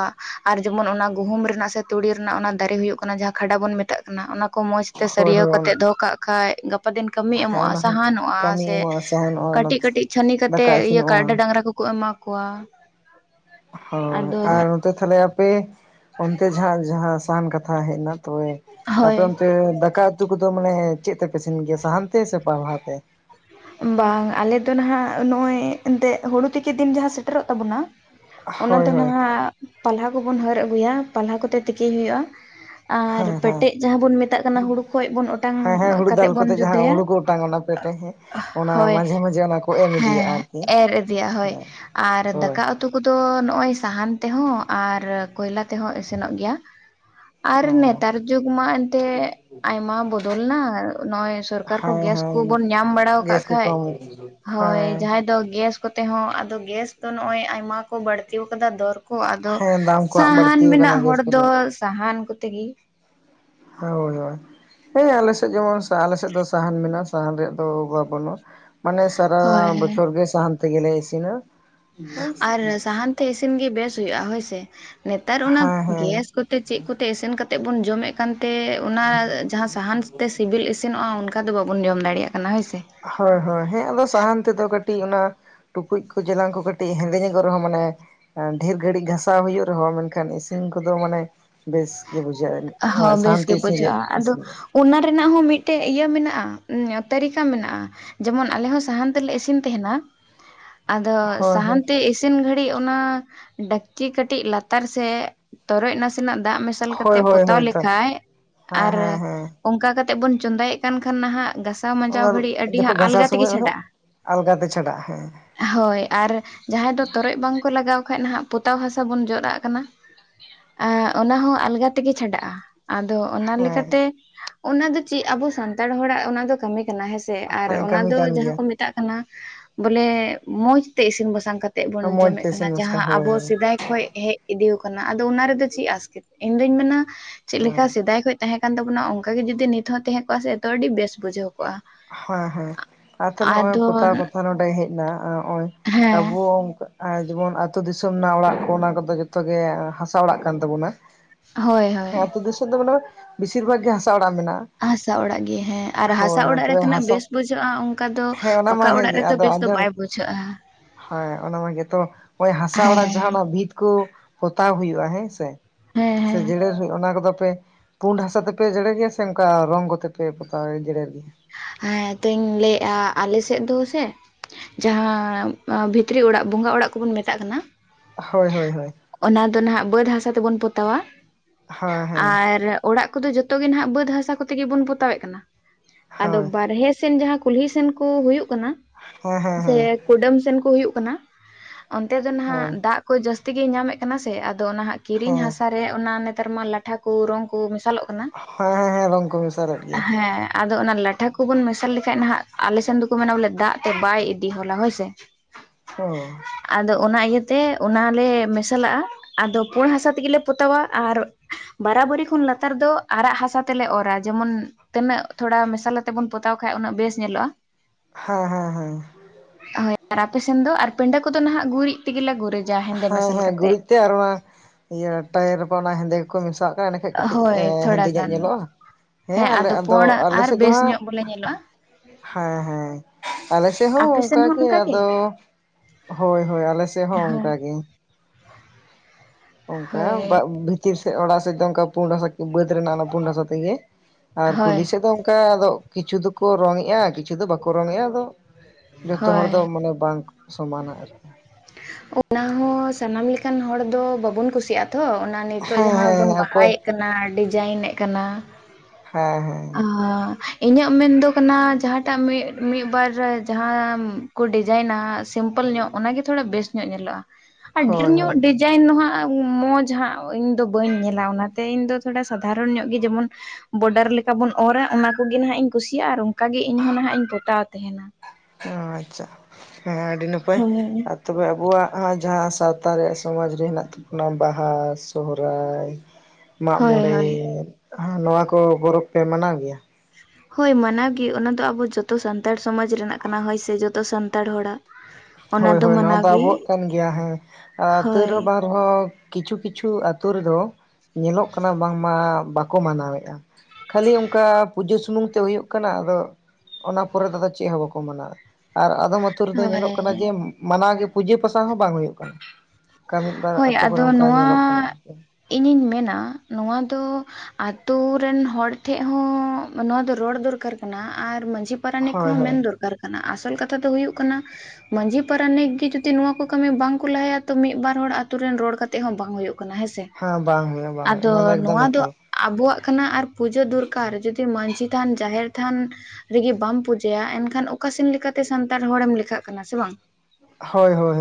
ᱟᱨ ᱡᱮᱢᱚᱱ ᱚᱱᱟ ᱜᱩᱦᱩᱢ ᱨᱮᱱᱟᱜ ᱥᱮ ᱛᱩᱲᱤ ᱨᱮᱱᱟᱜ ᱚᱱᱟ ᱫᱟᱨᱮ ᱦᱩᱭᱩᱜ ᱠᱟᱱᱟ, ᱡᱟᱦᱟᱸ ᱠᱷᱟᱰᱟ ᱵᱚᱱ ᱢᱮᱛᱟᱜ ᱠᱟᱱᱟ ᱚᱱᱟ ᱾ ᱠᱚ ᱢᱚᱡᱽ ᱛᱮ ᱦᱳᱭ ᱥᱟᱹᱨᱭᱟᱹᱣ ᱦᱳᱭ ᱠᱟᱛᱮ ᱚᱱᱟ ᱫᱚᱦᱚ ᱠᱟᱜ ᱠᱷᱟᱡ ᱜᱟᱯᱟ ᱫᱤᱱ ᱠᱟᱹᱢᱤ ᱦᱮᱸ ᱮᱢᱚᱜᱼᱟ, ᱚᱱᱟ ᱥᱟᱦᱟᱱᱚᱜᱼᱟ, ᱠᱟᱹᱢᱤ ᱥᱮ ᱮᱢᱚᱜᱼᱟ ᱥᱟᱦᱟᱱᱚᱜᱼᱟ ᱚᱱᱟ ᱠᱟᱹᱴᱤᱡ ᱠᱟᱹᱴᱤᱡ ᱪᱷᱟᱹᱱᱤ ᱠᱟᱛᱮ ᱫᱟᱠᱟ ᱤᱭᱟᱹ ᱠᱟᱰᱟ ᱤᱥᱤᱱᱚᱜᱼᱟ ᱰᱟᱝᱨᱟ ᱠᱚᱠᱚ ᱮᱢᱟ ᱠᱚᱣᱟ ᱾ ᱠᱚᱣᱟ ᱾ ᱦᱳᱭ ᱟᱨ ᱚᱱᱛᱮ ᱛᱟᱦᱚᱞᱮ ᱟᱯᱮ ᱚᱱᱛᱮ ᱡᱟᱦᱟᱸ ᱡᱟᱦᱟᱸ ᱥᱟᱦᱟᱱ ᱠᱟᱛᱷᱟ ᱦᱮᱡ ᱮᱱᱟ ᱾ ᱛᱚᱵᱮ ᱟᱯᱮ ᱦᱳᱭ ᱚᱱᱛᱮ ᱫᱟᱠᱟ ᱩᱛᱩ ᱠᱚᱫᱚ ᱢᱟᱱᱮ ᱪᱮᱫ ᱛᱮᱯᱮ ᱤᱥᱤᱱ ᱜᱮᱭᱟ ᱥᱟᱦᱟᱱ ᱛᱮ ᱥᱮ ᱯᱟᱞᱦᱟ ᱛᱮ ᱾ ᱵᱟᱝ ᱟᱞᱮ ᱫᱚ ᱱᱟᱦᱜ ᱱᱚᱜᱼᱚᱭ ᱮᱱᱛᱮ ᱦᱩᱲᱩ ᱛᱤᱠᱤ ᱫᱤᱱ ᱡᱟᱦᱟᱸ ᱥᱮᱴᱮᱨᱚᱜ ᱛᱟᱵᱚᱱᱟ, ᱚᱱᱟ ᱦᱳᱭ ᱫᱚ ᱦᱳᱭ ᱱᱟᱦᱜ ᱯᱟᱞᱦᱟ ᱠᱚᱵᱚᱱ ᱦᱟᱹᱨ ᱟᱹᱜᱩᱭᱟ, ᱯᱟᱞᱦᱟ ᱠᱚᱛᱮ ᱛᱤᱠᱤᱭ ᱦᱩᱭᱩᱜᱼᱟ ᱾ ᱟᱨ ᱦᱮᱸ ᱦᱮᱸ ᱯᱮᱴᱮᱡ ᱡᱟᱦᱟᱸ ᱵᱚᱱ ᱢᱮᱛᱟᱜ ᱠᱟᱱᱟ, ᱦᱳᱲᱩ ᱠᱷᱚᱱ ᱵᱚᱱ ᱚᱴᱟᱝ ᱦᱮᱸ ᱦᱮᱸ ᱦᱩᱲᱩ ᱠᱟᱛᱮ ᱫᱟᱞ ᱵᱚᱱ ᱠᱚᱛᱮ ᱡᱟᱦᱟᱸ ᱡᱩᱫᱽᱫᱷᱟᱹᱭᱟ, ᱦᱩᱲᱩ ᱠᱚ ᱚᱴᱟᱝ ᱚᱱᱟ ᱯᱮᱴᱮ ᱦᱮᱸ ᱚᱱᱟ ᱦᱳᱭ, ᱢᱟᱡᱷᱮ ᱢᱟᱡᱷᱮ ᱚᱱᱟ ᱠᱚ ᱮᱢ ᱤᱫᱤᱭᱟᱜᱼᱟ ᱦᱮᱸ, ᱟᱨᱠᱤ ᱮᱨ ᱤᱫᱤᱭᱟ ᱦᱳᱭ ᱦᱮᱸ ᱟᱨ ᱦᱳᱭ ᱫᱟᱠᱟ ᱩᱛᱩ ᱩᱛᱩ ᱠᱚᱫᱚ ᱱᱚᱜᱼᱚᱭ ᱥᱟᱦᱟᱱ ᱛᱮᱦᱚᱸ ᱟᱨ ᱠᱚᱭᱞᱟ ᱛᱮᱦᱚᱸ ᱤᱥᱤᱱᱚᱜ ᱜᱮᱭᱟ ᱾ ᱟᱨ ᱱᱮᱛᱟᱨ ᱡᱩᱜᱽ ᱢᱟ ᱮᱱᱛᱮ ᱟᱭᱢᱟ ᱵᱚᱫᱚᱞᱱᱟ ᱱᱚᱜᱼᱚᱭ ᱥᱚᱨᱠᱟᱨ ᱠᱚ ᱦᱮᱸ ᱜᱮᱥ ᱠᱚᱵᱚᱱ ᱦᱮᱸ ᱧᱟᱢ ᱵᱟᱲᱟ ᱟᱠᱟᱫ ᱜᱮᱥ ᱠᱚ ᱠᱷᱟᱡ, ᱠᱚᱢ ᱦᱳᱭ ᱦᱮᱸ ᱡᱟᱦᱟᱸᱭ ᱫᱚ ᱜᱮᱥ ᱠᱚᱛᱮ ᱦᱚᱸ, ᱟᱫᱚ ᱜᱮᱥ ᱫᱚ ᱱᱚᱜᱼᱚᱭ ᱟᱭᱢᱟ ᱠᱚ ᱵᱟᱹᱲᱛᱤ ᱟᱠᱟᱫᱟ ᱫᱚᱨ ᱠᱚ ᱟᱫᱚ ᱦᱮᱸ ᱫᱟᱢ ᱠᱚ ᱦᱟᱸᱜ ᱥᱟᱦᱟᱱ ᱵᱟᱹᱲᱛᱤ ᱟᱠᱟᱱᱟ ᱢᱮᱱᱟᱜ ᱜᱮᱥ ᱦᱚᱲ ᱫᱚ ᱠᱚᱨᱮ ᱥᱟᱦᱟᱱ ᱠᱚᱛᱮ ᱜᱮ ᱾ ᱦᱳᱭ ᱦᱳᱭ ᱾ ᱦᱮᱸ, ᱟᱞᱮ ᱥᱮᱫ ᱡᱮᱢᱚᱱ ᱟᱞᱮ ᱥᱮᱫ ᱫᱚ ᱥᱟᱦᱟᱱ ᱢᱮᱱᱟᱜᱼᱟ, ᱥᱟᱦᱟᱱ ᱨᱮᱭᱟᱜ ᱫᱚ ᱚᱵᱷᱟᱵ ᱵᱟᱹᱱᱩᱜᱼᱟ ᱾ ᱢᱟᱱᱮ ᱥᱟᱨᱟ ᱦᱳᱭ ᱵᱚᱪᱷᱚᱨ ᱜᱮ ᱥᱟᱦᱟᱱ ᱛᱮ ᱜᱮᱞᱮ ᱤᱥᱤᱱᱟ ᱾ ᱟᱨ ᱥᱟᱦᱟᱱ ᱛᱮ ᱤᱥᱤᱱ ᱜᱮ ᱵᱮᱥ ᱦᱩᱭᱩᱜᱼᱟ ᱦᱳᱭ ᱥᱮ, ᱱᱮᱛᱟᱨ ᱚᱱᱟ ᱦᱮᱸ ᱦᱮᱸ ᱜᱮᱥ ᱛᱮ ᱪᱮᱫ ᱠᱚᱛᱮ ᱤᱥᱤᱱ ᱠᱟᱛᱮ ᱵᱚᱱ ᱡᱚᱢᱮᱫ ᱠᱟᱱᱛᱮ ᱚᱱᱟ ᱡᱟᱦᱟᱸ ᱥᱟᱦᱟᱱ ᱛᱮ ᱥᱤᱵᱤᱞ ᱤᱥᱤᱱᱚᱜᱼᱟ, ᱚᱱᱠᱟ ᱫᱚ ᱵᱟᱵᱚᱱ ᱡᱚᱢ ᱫᱟᱲᱮᱭᱟᱜ ᱠᱟᱱᱟ ᱦᱳᱭ ᱥᱮ ᱾ ᱦᱳᱭ ᱦᱳᱭ, ᱦᱮᱸ ᱟᱫᱚ ᱥᱟᱦᱟᱱ ᱛᱮᱫᱚ ᱠᱟᱹᱴᱤᱡ ᱚᱱᱟ ᱴᱩᱠᱩᱡ ᱠᱚ ᱪᱮᱞᱟᱝ ᱠᱚ ᱠᱟᱹᱴᱤᱡ ᱦᱮᱸᱫᱮ ᱧᱚᱜᱚᱜ ᱨᱮᱦᱚᱸ ᱢᱟᱱᱮ ᱰᱷᱮᱨ ᱜᱷᱟᱹᱲᱤᱡ ᱜᱷᱟᱥᱟᱣ ᱦᱩᱭᱩᱜ ᱨᱮᱦᱚᱸ, ᱢᱮᱱᱠᱷᱟᱱ ᱤᱥᱤᱱ ᱠᱚᱫᱚ ᱢᱟᱱᱮ ᱵᱮᱥ ᱜᱮ ᱵᱩᱡᱷᱟᱹᱜ ᱦᱚᱸ ᱵᱮᱥ ᱥᱟᱦᱟᱱᱛᱮ ᱜᱮ ᱤᱥᱤᱱ ᱵᱩᱡᱷᱟᱹᱜᱼᱟ ᱟᱫᱚ ᱨᱮ ᱾ ᱚᱱᱟ ᱨᱮᱱᱟᱜ ᱦᱚᱸ ᱢᱤᱫᱴᱮᱡ ᱤᱭᱟᱹ ᱢᱮᱱᱟᱜᱼᱟ ᱛᱟᱹᱨᱤᱠᱟ ᱢᱮᱱᱟᱜᱼᱟ ᱾ ᱡᱮᱢᱚᱱ ᱟᱞᱮ ᱦᱚᱸ ᱥᱟᱦᱟᱱ ᱛᱮᱞᱮ ᱤᱥᱤᱱ ᱛᱟᱦᱮᱱᱟ, ᱟᱫᱚ ᱦᱳᱭ ᱥᱟᱦᱟᱱ ᱦᱳᱭ ᱛᱮ ᱤᱥᱤᱱ ᱜᱷᱟᱲᱤᱡ ᱚᱱᱟ ᱰᱮᱠᱪᱤ ᱠᱟᱹᱴᱤᱡ ᱞᱟᱛᱟᱨ ᱥᱮ ᱛᱚᱨᱚᱡ ᱱᱟᱥᱮ ᱱᱟᱜ ᱫᱟᱜ ᱢᱮᱥᱟ ᱥᱟᱞ ᱦᱳᱭ ᱠᱟᱛᱮ ᱦᱳᱭ ᱯᱚᱛᱟᱣ ᱦᱳᱭ ᱛᱚ ᱞᱮᱠᱷᱟᱡ ᱦᱮᱸ ᱟᱨ ᱦᱮᱸ ᱦᱮᱸ ᱚᱱᱠᱟ ᱠᱟᱛᱮ ᱵᱚᱱ ᱪᱚᱸᱫᱟᱭᱮᱫ ᱠᱟᱱ ᱠᱷᱟᱱ ᱱᱟᱦᱜ ᱜᱷᱟᱥᱟᱣ ᱢᱟᱡᱟᱣ ᱚᱱᱟ ᱜᱷᱟᱹᱲᱤᱡ ᱟᱹᱰᱤ ᱦᱟᱜ ᱡᱚᱠᱷᱚᱱ ᱜᱷᱟᱥᱟᱣ ᱟᱞᱜᱟ ᱛᱮᱜᱮ ᱥᱚᱢᱚᱭ ᱦᱟᱸᱜ ᱪᱷᱟᱰᱟᱜᱼᱟ ᱟᱞᱜᱟᱛᱮ ᱪᱷᱟᱰᱟᱜᱼᱟ ᱦᱮᱸ ᱾ ᱦᱳᱭ ᱟᱨ ᱡᱟᱦᱟᱸᱭ ᱫᱚ ᱛᱚᱨᱚᱡ ᱵᱟᱝᱠᱚ ᱞᱟᱜᱟᱣ ᱠᱷᱟᱱ ᱱᱟᱦᱜ ᱯᱚᱛᱟᱣ ᱦᱟᱥᱟ ᱵᱚᱱ ᱡᱚᱫ ᱟᱜ ᱠᱟᱱᱟ ᱾ ᱮ ᱚᱱᱟᱦᱚᱸ ᱟᱞᱜᱟ ᱛᱮᱜᱮ ᱪᱷᱟᱰᱟᱜᱼᱟ ᱾ ᱟᱫᱚ ᱚᱱᱟ ᱦᱮᱸ ᱞᱮᱠᱟᱛᱮ ᱚᱱᱟ ᱫᱚ ᱪᱮᱫ ᱟᱵᱚ ᱥᱟᱱᱛᱟᱲ ᱦᱚᱲᱟᱜ ᱚᱱᱟ ᱫᱚ ᱠᱟᱹᱢᱤ ᱠᱟᱱᱟ ᱦᱮᱸᱥᱮ ᱟᱨ ᱦᱮᱸ ᱚᱱᱟ ᱠᱟᱹᱢᱤ ᱫᱚ ᱠᱟᱱ ᱡᱟᱦᱟᱸ ᱜᱮᱭᱟ ᱠᱚ ᱢᱮ ᱢᱮᱛᱟᱜ ᱠᱟᱱᱟ ᱵᱚᱞᱮ ᱢᱚᱸᱡᱽ ᱛᱮ ᱤᱥᱤᱱ ᱵᱟᱥᱟᱝ ᱠᱟᱛᱮ ᱛᱮ ᱵᱚᱱ ᱢᱚᱸᱡᱽ ᱡᱚᱢᱮᱫ ᱛᱮ ᱠᱟᱱᱟ, ᱤᱥᱤᱱ ᱵᱟᱥᱟ ᱡᱟᱦᱟᱸ ᱦᱳᱭ ᱟᱵᱚ ᱥᱮᱫᱟᱭ ᱠᱷᱚᱱ ᱦᱮᱡ ᱤᱫᱤ ᱟᱠᱟᱱᱟ, ᱟᱫᱚ ᱚᱱᱟ ᱨᱮᱫᱚ ᱪᱮᱫ ᱟᱥᱠᱮᱛ ᱾ ᱤᱧ ᱫᱩᱧ ᱢᱮᱱᱟ ᱪᱮᱫ ᱦᱳᱭ ᱞᱮᱠᱟ ᱦᱮᱸ ᱥᱮᱫᱟᱭ ᱠᱷᱚᱡ ᱛᱟᱦᱮᱸ ᱠᱟᱱ ᱛᱟᱵᱚᱱᱟ, ᱚᱱᱠᱟ ᱜᱮ ᱡᱩᱫᱤ ᱱᱤᱛ ᱦᱚᱸ ᱛᱟᱦᱮᱸ ᱠᱚᱜᱼᱟ ᱥᱮ ᱮᱛᱚ ᱟᱹᱰᱤ ᱵᱮᱥ ᱵᱩᱡᱷᱟᱹᱣ ᱠᱚᱜᱼᱟ ᱾ ᱦᱮᱸ ᱦᱮᱸ ᱟᱨ ᱛᱟᱦᱚᱞᱮ ᱱᱚᱜᱼᱚᱭ ᱯᱚᱛᱟᱣ ᱠᱟᱛᱷᱟ ᱱᱚᱸᱰᱮ ᱦᱮᱡ ᱮᱱᱟ ᱱᱚᱜᱼᱚᱭ ᱦᱮᱸ ᱟᱵᱚ ᱟᱨ ᱡᱮᱢᱚᱱ ᱟᱹᱛᱩ ᱫᱤᱥᱚᱢ ᱨᱮᱱᱟᱜ ᱚᱲᱟᱜ ᱠᱚ ᱚᱱᱟ ᱠᱚᱫᱚ ᱡᱚᱛᱚ ᱜᱮ ᱦᱟᱥᱟ ᱚᱲᱟᱜ ᱠᱟᱱ ᱛᱟᱵᱚᱱᱟ ᱦᱳᱭ ᱾ ᱦᱳᱭ ᱦᱮᱸ, ᱟᱹᱛᱩ ᱫᱤᱥᱚᱢ ᱫᱚ ᱢᱟᱱᱮ ᱵᱮᱥᱤᱨ ᱵᱷᱟᱜ ᱜᱮ ᱦᱟᱥᱟ ᱚᱲᱟᱜ ᱢᱮᱱᱟᱜᱼᱟ ᱾ ᱦᱟᱥᱟ ᱚᱲᱟᱜ ᱜᱮ ᱦᱮᱸ ᱟᱨ ᱦᱟᱥᱟ ᱚᱲᱟᱜ ᱨᱮ ᱾ ᱛᱚᱵᱮ ᱡᱟᱦᱟᱸ ᱛᱤᱱᱟᱹᱜ ᱦᱟᱥᱟ ᱵᱮᱥ ᱵᱩᱡᱷᱟᱹᱜᱼᱟ ᱚᱱᱠᱟ ᱫᱚ ᱦᱮᱸ ᱚᱱᱟ ᱢᱟ ᱯᱟᱠᱟ ᱦᱮᱸ ᱚᱲᱟᱜ ᱜᱮ ᱨᱮᱫᱚ ᱟᱫᱚ ᱵᱮᱥ ᱫᱚ ᱟᱸᱡᱚᱢ ᱵᱟᱭ ᱵᱩᱡᱷᱟᱹᱜᱼᱟ᱾ ᱦᱮᱸ ᱚᱱᱟ ᱢᱟ ᱜᱮᱛᱚ ᱱᱚᱜ ᱦᱟᱥᱟ ᱚᱲᱟᱜ ᱦᱮᱸ ᱡᱟᱦᱟᱸ ᱵᱷᱤᱛ ᱠᱚ ᱯᱚᱛᱟᱣ ᱦᱩᱭᱩᱜᱼᱟ ᱦᱮᱸᱥᱮ ᱦᱮᱸ ᱦᱮᱸ ᱡᱮᱨᱮᱲ ᱦᱩᱭᱩᱜ ᱚᱱᱟ ᱠᱚᱫᱚ ᱯᱮ ᱯᱩᱸᱰ ᱦᱟᱥᱟ ᱛᱮᱯᱮ ᱡᱮᱨᱮᱨ ᱜᱮᱭᱟ ᱥᱮ ᱚᱱᱠᱟ ᱨᱚᱝ ᱠᱚᱛᱮᱯᱮ ᱯᱚᱛᱟᱣ ᱡᱮᱨᱮᱲ ᱜᱮᱭᱟ᱾ ᱦᱮᱸ ᱛᱚᱧ ᱞᱟᱹᱭᱮᱜᱼᱟ ᱟᱞᱮ ᱥᱮᱫ ᱫᱚᱥᱮ ᱡᱟᱦᱟᱸ ᱵᱷᱤᱛᱨᱤ ᱚᱲᱟᱜ ᱵᱚᱸᱜᱟ ᱚᱲᱟᱜ ᱠᱚᱵᱚᱱ ᱢᱮᱛᱟᱜ ᱠᱟᱱᱟ᱾ ᱦᱳᱭ ᱦᱳᱭ ᱦᱳᱭ ᱚᱱᱟ ᱫᱚ ᱱᱟᱦᱟᱜ ᱵᱟᱹᱫᱽ ᱦᱟᱥᱟ ᱛᱮᱵᱚᱱ ᱯᱚᱛᱟᱣᱟ ᱦᱳᱭ ᱦᱮᱸ ᱟᱨ ᱚᱲᱟᱜ ᱠᱚᱫᱚ ᱡᱚᱛᱚ ᱜᱮ ᱱᱟᱦᱱᱟᱜ ᱵᱟᱹᱫᱽ ᱦᱟᱥᱟ ᱠᱚᱛᱮᱜᱮ ᱵᱚᱱ ᱯᱚᱛᱟᱣᱮᱫ ᱠᱟᱱᱟ᱾ ᱟᱫᱚ ᱦᱳᱭ ᱵᱟᱨᱦᱮ ᱥᱮᱱ ᱡᱟᱦᱟᱸ ᱠᱩᱞᱦᱤ ᱥᱮᱱ ᱠᱚ ᱦᱳᱭᱳ ᱠᱟᱱᱟ ᱦᱮᱸ ᱦᱮᱸ ᱥᱮᱼᱼ ᱦᱮᱸ ᱠᱩᱰᱟᱹᱢ ᱥᱮᱱ ᱠᱚ ᱦᱩᱭᱩᱜ ᱠᱟᱱᱟ ᱚᱱᱛᱮ ᱫᱚ ᱱᱟᱦᱟᱜ ᱦᱳᱭ ᱫᱟᱜ ᱠᱚ ᱡᱟᱹᱥᱛᱤ ᱜᱮ ᱧᱟᱢᱮᱫ ᱠᱟᱱᱟ ᱥᱮ ᱟᱫᱚ ᱱᱟᱦᱟᱜ ᱦᱮᱸ ᱠᱤᱨᱤᱧ ᱦᱮᱸ ᱦᱟᱥᱟ ᱨᱮ ᱚᱱᱟ ᱱᱮᱛᱟᱨ ᱢᱟ ᱞᱟᱴᱷᱟ ᱠᱚ ᱨᱚᱝ ᱠᱚ ᱢᱮᱥᱟᱞᱚᱜ ᱠᱟᱱᱟ᱾ ᱦᱮᱸ ᱦᱮᱸ ᱨᱚᱝ ᱠᱚ ᱢᱮᱥᱟᱞᱮᱫ ᱜᱮᱭᱟ *inaudible* ᱦᱮᱸ ᱟᱫᱚ ᱚᱱᱟ ᱞᱟᱹᱴᱩ ᱠᱟᱴᱷᱟ ᱠᱚᱵᱚᱱ ᱢᱮᱥᱟᱞ ᱞᱮᱠᱷᱟᱱ ᱱᱟᱦᱟᱜ ᱟᱞᱮ ᱥᱮᱱ ᱫᱚᱠᱚ ᱢᱮᱱᱟ ᱵᱚᱞᱮ ᱫᱟᱜ ᱛᱮ ᱵᱟᱭ ᱤᱫᱤ ᱦᱚᱞᱟ ᱦᱳᱭ ᱥᱮᱼᱼ ᱦᱚᱸ ᱟᱫᱚ ᱚᱱᱟ ᱤᱭᱟᱹᱛᱮ ᱚᱱᱟᱞᱮ ᱢᱮᱥᱟᱞᱟᱜᱼᱟ ᱟᱫᱚ ᱯᱩᱬ ᱦᱟᱥᱟ ᱛᱮᱜᱮ ᱞᱮ ᱯᱚᱛᱟᱣᱟ ᱟᱨᱼᱼ ᱵᱟᱨᱟᱵᱚᱨᱤ ᱠᱷᱚᱱ ᱞᱟᱛᱟᱨ ᱫᱚ ᱟᱨᱟᱜ ᱦᱟᱥᱟ ᱛᱮᱞᱮ ᱚᱨᱟ ᱡᱮᱢᱚᱱ ᱛᱤᱱᱟᱹᱜ ᱛᱷᱚᱲᱟ ᱢᱮᱥᱟᱞᱼᱼ ᱛᱮ ᱵᱚᱱ ᱯᱚᱛᱟᱣ ᱠᱷᱟᱡ ᱩᱱᱟᱹᱜ ᱵᱮᱥ ᱧᱮᱞᱚᱜᱼᱟ᱾ ᱦᱮᱸ ᱦᱮᱸ ᱦᱮᱸ ᱦᱳᱭ ᱟᱨ ᱟᱯᱮ ᱥᱮᱱ ᱫᱚ ᱟᱨ ᱯᱤᱸᱰᱟᱹ ᱠᱚᱫᱚ ᱱᱟᱦᱟᱜ ᱜᱩᱨᱤᱡ ᱛᱮᱜᱮ ᱞᱮ ᱜᱩᱨᱤᱡᱟ᱾ ᱦᱮᱸᱫᱮ ᱦᱮᱸ ᱢᱮᱥᱟᱞ ᱦᱮᱸ ᱠᱟᱛᱮᱜ ᱜᱩᱨᱤᱡ ᱛᱮ ᱟᱨ ᱚᱱᱟ ᱤᱭᱟᱹ ᱴᱟᱭᱟᱨ ᱵᱟᱱᱟ ᱦᱮᱸᱫᱮᱼᱼ ᱠᱚ ᱢᱮᱥᱟᱣᱟᱜ ᱠᱟᱱᱟ ᱮᱸᱰᱮᱷᱟᱟᱱ ᱠᱟᱹᱴᱤᱡ ᱦᱳᱭ ᱛᱷᱚᱲᱟ ᱦᱮᱸᱫᱮ ᱧᱚᱜ ᱜᱟᱱ ᱧᱮᱞᱚᱜᱼᱟ᱾ ᱦᱮᱸ ᱟᱞᱮ ᱟᱫᱚ ᱯᱩᱬ ᱟᱞᱮ ᱟᱨ ᱥᱮᱫ ᱫᱚ ᱵᱮᱥ ᱦᱟᱸᱜᱼᱼ ᱧᱚᱜ ᱵᱚᱞᱮ ᱧᱮᱞᱚᱜᱼᱟ ᱦᱮᱸ ᱦᱮᱸ ᱟᱞᱮ ᱥᱮᱫ ᱦᱚᱸ ᱟᱯᱮ ᱥᱮᱱ ᱦᱚᱸ ᱚᱱᱠᱟᱜᱮ ᱚᱱᱠᱟ ᱜᱮ ᱟᱫᱚᱼᱼ ᱦᱳᱭ ᱦᱳᱭ ᱟᱞᱮ ᱥᱮᱫ ᱦᱚᱸ ᱚᱱᱠᱟ ᱜᱮᱼᱼ *unintelligible* ᱚᱱᱠᱟ ᱦᱳᱭ ᱵᱷᱤᱛᱤᱨ ᱥᱮᱫ ᱚᱲᱟᱜ ᱥᱮᱫ ᱫᱚ ᱚᱱᱠᱟ ᱯᱩᱱᱰ ᱦᱟᱥᱟ ᱵᱟᱹᱫᱽ ᱨᱮᱱᱟᱜᱼᱼ ᱯᱩᱱᱰ ᱟᱥᱟ ᱛᱮᱜᱮ ᱟᱨ ᱦᱳᱭ ᱠᱩᱞᱦᱤ ᱥᱮᱫ ᱫᱚ ᱚᱱᱠᱟ ᱟᱫᱚᱼᱼ ᱠᱤᱪᱷᱩ ᱫᱚᱠᱚ ᱨᱚᱝ ᱮᱼᱟ ᱠᱤᱪᱷᱩ ᱫᱚ ᱵᱟᱠᱚ ᱨᱚᱝ ᱮᱫᱟ ᱟᱫᱚ ᱡᱚᱛᱚ ᱦᱚᱲ ᱫᱚ ᱦᱳᱭ ᱢᱟᱱᱮ ᱵᱟᱝᱼᱼ ᱥᱚᱢᱟᱱᱟ ᱟᱨᱠᱤ ᱚᱱᱟ ᱦᱚᱸ ᱥᱟᱱᱟᱢ ᱞᱮᱠᱟᱱ ᱦᱚᱲ ᱫᱚ ᱵᱟᱵᱚᱱ ᱠᱩᱥᱤᱭᱟᱜᱼᱟ ᱛᱚ ᱚᱱᱟ᱾ ᱱᱤᱛᱚᱜ ᱦᱮᱸ ᱡᱟᱦᱟᱸ ᱵᱚᱱ ᱦᱮᱸ ᱚᱠᱚᱭ ᱵᱟᱦᱟᱭᱮᱫ ᱠᱟᱱᱟ ᱰᱤᱡᱟᱭᱤᱱ ᱠᱟᱱᱟ᱾ ᱦᱮᱸ ᱦᱮᱸ ᱟᱹ ᱤᱧᱟᱹᱜ ᱢᱮᱱᱫᱚ ᱠᱟᱱᱟ ᱡᱟᱦᱟᱸᱴᱟᱜ ᱢᱤᱫ ᱵᱟᱨ ᱡᱟᱦᱟᱸ᱾ ᱠᱚ ᱰᱤᱡᱟᱭᱤᱱᱟ ᱥᱤᱢᱯᱮᱞ ᱧᱚᱜ ᱚᱱᱟᱜᱮ ᱛᱷᱚᱲᱟ ᱵᱮᱥ ᱧᱚᱜ ᱧᱮᱞᱚᱜᱼᱟ ᱟᱨ ᱰᱷᱮᱨ ᱦᱳᱭ ᱧᱚᱜ ᱦᱳᱭ ᱡᱟ ᱫᱚ ᱦᱟᱸᱜ ᱢᱚᱡᱽ ᱦᱟᱸᱜ ᱤᱧ ᱫᱚ ᱵᱟᱹᱧ ᱧᱮᱞᱟ ᱚᱱᱟᱛᱮ ᱤᱧ ᱫᱚ ᱛᱷᱚᱲᱟ ᱥᱟᱫᱷᱟᱨᱚᱱ ᱧᱚᱜ ᱜᱮ ᱡᱮᱢᱚᱱᱼᱼ ᱵᱚᱰᱟᱨ ᱞᱮᱠᱟ ᱵᱚᱱ ᱚᱨᱟ ᱚᱱᱟ ᱠᱚᱜᱮ ᱱᱟᱦᱟᱜ ᱤᱧ ᱠᱩᱥᱤᱭᱟᱜᱼᱟ ᱟᱨ ᱚᱱᱠᱟ ᱜᱮ ᱤᱧᱦᱚᱸ ᱱᱟᱦᱟᱜ ᱤᱧ ᱯᱚᱛᱟᱣ ᱛᱟᱦᱮᱱᱟ᱾ ᱚ ᱟᱪᱷᱟ ᱦᱮᱸ ᱟᱹᱰᱤ ᱱᱟᱯᱟᱭ ᱦᱳᱭ ᱟᱨ ᱛᱚᱵᱮ ᱟᱵᱚᱣᱟᱜᱼᱼ ᱟᱨ ᱡᱟᱦᱟᱸ ᱥᱟᱶᱛᱟ ᱨᱮᱭᱟᱜ ᱥᱚᱢᱟᱡᱽ ᱨᱮ ᱦᱮᱱᱟᱜ ᱛᱟᱵᱚᱱᱟ ᱵᱟᱦᱟ ᱥᱚᱦᱟᱨᱟᱭᱼᱼ ᱢᱟᱜᱽ ᱦᱳᱭ ᱢᱚᱬᱮ ᱦᱳᱭ ᱱᱚᱣᱟ ᱠᱚ ᱯᱚᱨᱚᱵᱽ ᱯᱮ ᱢᱟᱱᱟᱣ ᱜᱮᱭᱟ᱾ ᱦᱳᱭ ᱢᱟᱱᱟᱣ ᱜᱮ ᱚᱱᱟ ᱫᱚ ᱟᱵᱚ ᱡᱚᱛᱚ ᱥᱟᱱᱛᱟᱲ ᱥᱚᱢᱟᱡᱽ ᱨᱮᱱᱟᱜ ᱠᱟᱱᱟ ᱦᱳᱭ ᱥᱮ ᱡᱚᱛᱚ ᱥᱟᱱᱛᱟᱲ ᱦᱚᱲᱟᱜ᱾ ᱚᱱᱟ ᱦᱳᱭ ᱦᱳᱭ ᱱᱚᱣᱟ ᱢᱟᱱᱟᱣ ᱫᱚ ᱜᱮ ᱟᱵᱚᱣᱟᱜ ᱠᱟᱱ ᱜᱮᱭᱟ ᱦᱮᱸ ᱛᱟᱹᱣ ᱦᱳᱭ ᱨᱮᱦᱚᱸ ᱵᱟᱝᱼᱼ ᱦᱚᱸ ᱠᱤᱪᱷᱩ ᱠᱤᱪᱷᱩ ᱟᱹᱛᱩ ᱨᱮᱫᱚ ᱧᱮᱞᱚᱜ ᱠᱟᱱᱟ ᱵᱟᱝᱢᱟ ᱵᱟᱠᱚ ᱢᱟᱱᱟᱣᱮᱫᱼᱟ ᱠᱷᱟᱹᱞᱤ ᱚᱱᱠᱟ ᱯᱩᱡᱟᱹ ᱥᱩᱢᱩᱝ ᱛᱮ ᱦᱩᱭᱩᱜ ᱠᱟᱱᱟ ᱟᱫᱚ ᱚᱱᱟ ᱯᱚᱨᱮ ᱛᱚ ᱪᱮᱫ ᱦᱚᱸ ᱵᱟᱠᱚ ᱢᱟᱱᱟᱣᱟ ᱟᱨ ᱟᱫᱚᱢ ᱟ ᱟᱹᱛᱩ ᱨᱮᱫᱚ ᱦᱳᱭ ᱧᱮᱞᱚᱜ ᱠᱟᱱᱟ ᱡᱮ ᱢᱟᱱᱟᱣ ᱜᱮ ᱯᱩᱡᱟᱹ ᱯᱟᱥᱟ ᱦᱚᱸ ᱵᱟᱝ ᱦᱩᱭᱩᱜ ᱠᱟᱱᱟ ᱚᱱᱠᱟ ᱢᱤᱫ ᱵᱟᱨ ᱦᱳᱭ ᱟᱹᱛᱩ ᱠᱚᱨᱮ ᱟᱫᱚ ᱚᱱᱠᱟ ᱱᱚᱣᱟ ᱧᱮᱞᱚᱜ ᱠᱟᱱᱟ ᱟᱨᱠᱤ ᱤᱧᱤᱧ ᱢᱮᱱᱟ ᱱᱚᱣᱟ ᱫᱚᱼᱼ ᱟᱹᱛᱩ ᱨᱮᱱ ᱦᱚᱲ ᱴᱷᱮᱡ ᱦᱚᱸ ᱱᱚᱣᱟ ᱫᱚ ᱨᱚᱲ ᱫᱚᱨᱠᱟᱨ ᱠᱟᱱᱟ ᱟᱨ ᱢᱟᱺᱡᱷᱤ ᱯᱟᱨᱟᱱᱤᱠ ᱦᱳᱭ ᱠᱚᱦᱚᱸ ᱦᱳᱭ ᱢᱮᱱ ᱫᱚᱨᱠᱟᱨ ᱟᱥᱚᱞ ᱠᱟᱛᱷᱟ ᱫᱚ ᱦᱩᱭᱩᱜ ᱠᱟᱱᱟ ᱢᱟᱺᱡᱷᱤ ᱯᱟᱨᱟᱱᱤᱠ ᱜᱤ ᱡᱩᱫᱤ ᱱᱚᱣᱟ ᱠᱚ ᱠᱟᱹᱢᱤ ᱵᱟᱝ ᱠᱚ ᱞᱟᱦᱟᱭᱟ ᱛᱚ ᱢᱤᱫ ᱵᱟᱨ ᱦᱚᱲ ᱟᱛᱳ ᱨᱮᱱ ᱨᱚᱲ ᱠᱟᱛᱮᱫ ᱦᱚᱸ ᱵᱟᱝ ᱦᱩᱭᱩᱜ ᱠᱟᱱᱟ ᱦᱮᱸᱥᱮ ᱦᱮᱸ ᱵᱟᱝ ᱦᱩᱭᱩᱜᱼᱟ ᱵᱟᱝ ᱦᱩᱭᱩᱜᱼᱟ ᱱᱚᱣᱟ ᱫᱚ ᱮᱠᱫᱚᱢ ᱮᱠᱟᱞ ᱟᱵᱚᱣᱟᱜ ᱠᱟᱱᱟ ᱟᱨ ᱯᱩᱡᱟᱹ ᱫᱚᱨᱠᱟᱨ ᱡᱚᱫᱤ ᱢᱟᱺᱡᱷᱤ ᱛᱷᱟᱱ ᱡᱟᱦᱮᱨ ᱛᱷᱟᱱ ᱨᱤᱜᱤ ᱵᱟᱢ ᱯᱩᱡᱟᱹᱭᱟ ᱮᱱᱠᱷᱟᱱ ᱚᱠᱟ ᱥᱮᱱ ᱞᱮᱠᱟᱛᱮ ᱥᱟᱱᱛᱟᱲ ᱦᱚᱲᱮᱢ ᱞᱮᱠᱷᱟᱜ ᱠᱟᱱᱟ ᱥᱮ ᱵᱟᱝ ᱦᱳᱭ ᱦᱳᱭ ᱦᱳᱭ